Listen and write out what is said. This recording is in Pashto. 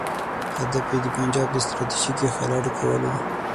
هدف یې د پنجاب د ستراتیژیکې خلا ډکول وو.